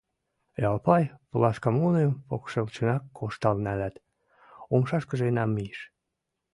Ялпай пулашкамуным покшечынак коштал налят, умшашкыже намийыш.